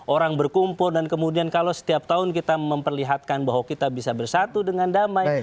orang berkumpul dan kemudian kalau setiap tahun kita memperlihatkan bahwa kita bisa bersatu dengan damai